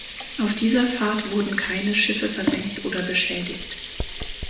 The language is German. Auf dieser Fahrt wurden keine Schiffe versenkt oder beschädigt.